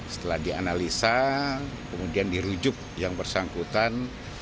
setelah dianalisa kemudian dirujuk yang bersangkutan